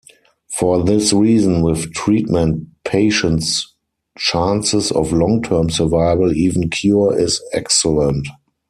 For this reason, with treatment patients' chances of long-term survival, even cure, is excellent.